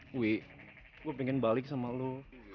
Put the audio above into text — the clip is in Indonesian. gue pengen balik sama lo